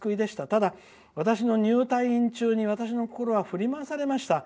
ただ、私の入退院中に私の心は振り回されました。